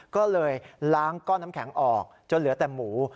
ก็เลยล้างก้อนน้ำแข็งออกจนเหลือแต่หมู